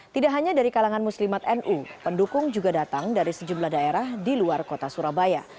tidak hanya dari kalangan muslimat nu pendukung juga datang dari sejumlah daerah di luar kota surabaya